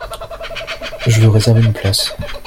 Je veux réserver une place.